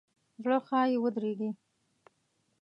زړه ښایي ودریږي.